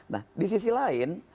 nah di sisi lain